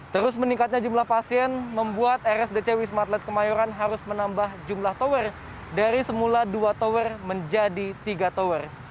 terus meningkatnya jumlah pasien membuat rsdc wisma atlet kemayoran harus menambah jumlah tower dari semula dua tower menjadi tiga tower